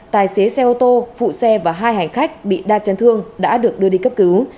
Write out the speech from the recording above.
tài xế xe ô tô phụ xe và hai hành khách bị đa chấn thương đã được đưa đi cấp cứu